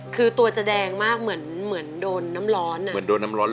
คือตัวจะแดงมากเหมือนเหมือนโดนน้ำร้อนอ่ะเหมือนโดนน้ำร้อน